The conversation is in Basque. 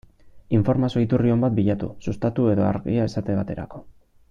Informazio iturri on bat bilatu, Sustatu edo Argia esate baterako.